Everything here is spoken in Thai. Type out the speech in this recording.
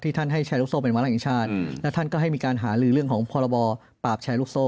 ที่ท่านให้ชายลูกโซ่เป็นวัลกิจชาติและท่านก็ให้มีการหารือเรื่องของพรบปราบชายลูกโซ่